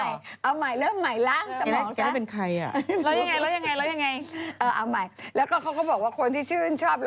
เยี่ยบพี่เยี๊ยบสมิงอึ๊บ